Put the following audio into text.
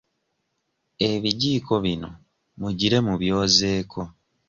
Ebijiiko bino mugire mubyozeeko.